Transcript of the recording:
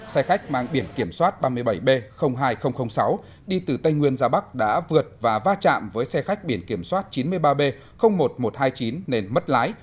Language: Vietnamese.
xe khách mang biển kiểm soát ba mươi bảy b hai nghìn sáu đi từ tây nguyên ra bắc đã vượt và va chạm với xe khách biển kiểm soát chín mươi ba b một nghìn một trăm hai mươi chín nên mất lái